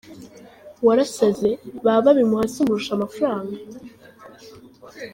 Warasaze ,, baba babimuha se umurusha amafranga.